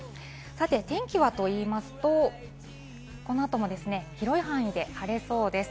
天気はと言いますと、この後も広い範囲で晴れそうです。